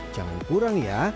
jangan kurang ya